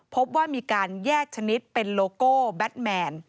พบว่ามีการแยกชนิดเป็นโลโก้แบทแมน